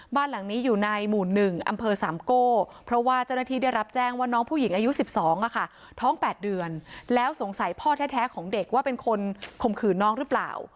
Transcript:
บ้านหลังนี้อยู่ในหมู่๑อำเภอสามโก้เพราะว่าเจ้าหน้าที่ได้รับแจ้งว่าน้องผู้หญิงอายุ๑๒ท้อง๘เดือนแล้วสงสัยพ่อแท้ของเด็กว่าเป็นคนข่มขืนน้องหรือเปล่า